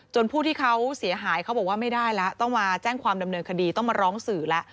ผู้ที่เขาเสียหายเขาบอกว่าไม่ได้แล้วต้องมาแจ้งความดำเนินคดีต้องมาร้องสื่อแล้ว